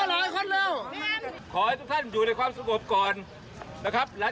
ตรงสุภาพโดยถึงได้อยู่โพธิภาพให้อะไร